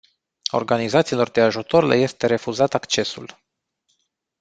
Organizațiilor de ajutor le este refuzat accesul.